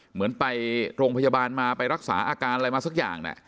เหมือนไปโรงพยาบาลมาไปรักษาอาการอะไรมาสักอย่าง